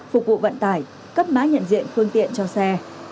phục vụ vận tải cấp mã nhận diện phương tiện cho xe